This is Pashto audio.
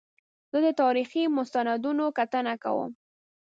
زه د تاریخي مستندونو کتنه کوم.